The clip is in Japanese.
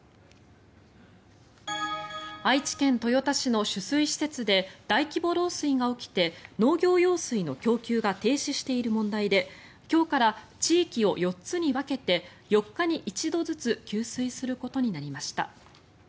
愛知県豊田市の取水施設で大規模漏水が起きて農業用水の供給が停止している問題で今日から地域を４つに分けて４日に１度ずつ給水することになりました。